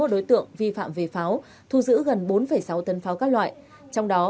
hai mươi một đối tượng vi phạm về pháo thu giữ gần bốn sáu tấn pháo các loại trong đó